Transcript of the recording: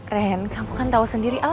ren kamu kan tau sendiri al